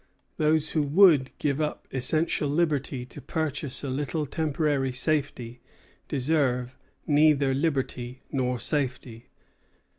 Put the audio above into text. Those who would give up essential liberty to purchase a little temporary safety deserve neither liberty nor safety."